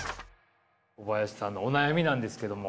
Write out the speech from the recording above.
小林さんのお悩みなんですけども。